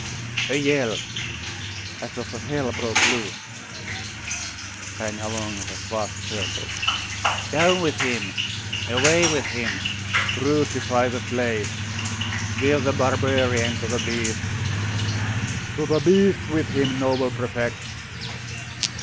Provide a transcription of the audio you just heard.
A yell, as of all hell broke loose, rang along that vast circle 'Down with him!' 'Away with him!' 'Crucify the slave!' 'Give the barbarian to the beasts!' 'To the beasts with him, noble Prefect!